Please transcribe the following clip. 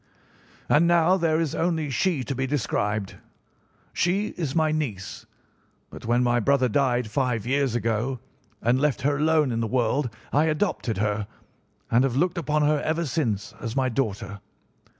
"And now there is only she to be described. She is my niece; but when my brother died five years ago and left her alone in the world I adopted her, and have looked upon her ever since as my daughter.